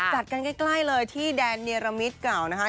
จัดกันใกล้เลยที่แดนเนรมิตเก่านะคะ